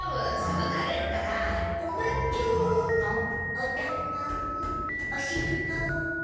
おだんごおしるこ。